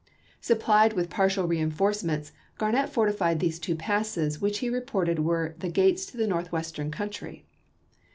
Supplied with partial reenforcements, Garnett fortified these two passes which he reported were the "gates to the northwestern country."